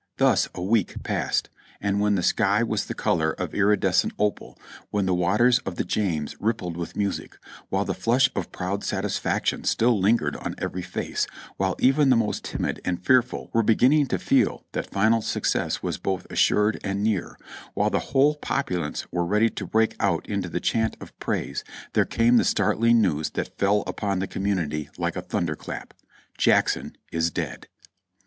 Thus a week passed, and when the sky was the color of irides cent opal, when the waters of the James rippled with music, while the flush of proud satisfaction still lingered on every face, while even the most timid and fearful were beginning to feel that final success was both assured and near, while the whole populace were ready to break out into the chant of praise, there came the start ling news that fell upon the community like a thunderclap : "Jackson is dead